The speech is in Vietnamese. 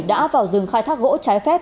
đã vào rừng khai thác gỗ trái phép